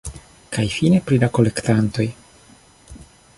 Kaj fine pri la kolektantoj.